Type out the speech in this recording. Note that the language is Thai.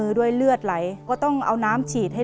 เปลี่ยนเพลงเพลงเก่งของคุณและข้ามผิดได้๑คำ